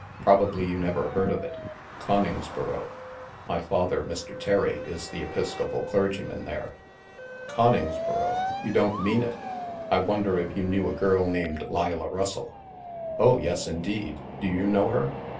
Probably you never heard of 122 THE MASK it. Coningsboro. My father, Mr. Terry, is the Episcopal clergyman there." " Coningsboro ? You don't mean it ! I wonder if you knew a girl named Leila Russell? ''" Oh, yes, indeed. Do you know her?